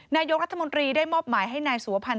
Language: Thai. นายกรัฐมนตรีได้มอบหมายให้นายสุวพันธ